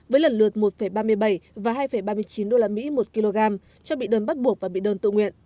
với lần lượt một ba mươi bảy và hai ba mươi chín usd một kg cho bị đơn bắt buộc và bị đơn tự nguyện